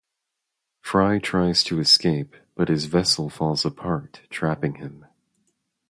Fry tries to escape, but his vessel falls apart, trapping him.